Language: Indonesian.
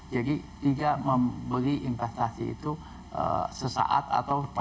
jadi tidak membeli investasi itu sesaat atau sebulan